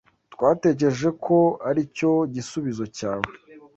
Twatekereje ko aricyo gisubizo cyawe.